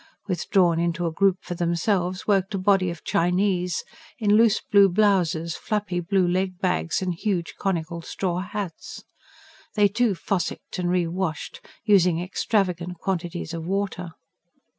Withdrawn into a group for themselves worked a body of Chinese, in loose blue blouses, flappy blue leg bags and huge conical straw hats. They, too, fossicked and re washed, using extravagant quantities of water.